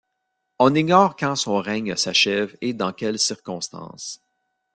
On ignore quand son règne s'achève et dans quelles circonstances.